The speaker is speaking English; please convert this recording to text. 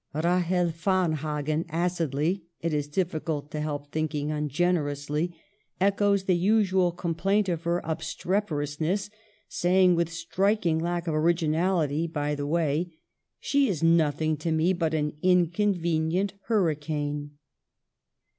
Rahel Varn hagen acidly — it is difficult to help thinking ungenerously— echoes the usual complaint of her obstreperousness, saying, with striking lack of originality, by the way, " She is nothing to me \ but an inconvenient hurricane."